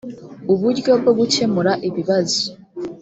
uburyo bwo gukemura ibibazo